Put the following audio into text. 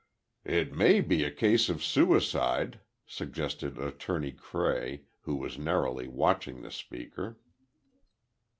"It may be a case of suicide," suggested Attorney Cray, who was narrowly watching the speaker.